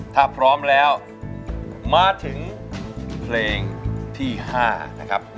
ถ้าพร้อมแล้วมาถึงเพลงที่๕นะครับ